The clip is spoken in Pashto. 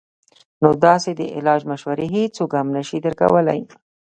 نو داسې د علاج مشورې هيڅوک هم نشي درکولے -